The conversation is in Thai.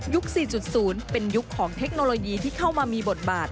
๔๐เป็นยุคของเทคโนโลยีที่เข้ามามีบทบาท